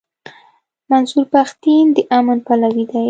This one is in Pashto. منظور پښتين د امن پلوی دی.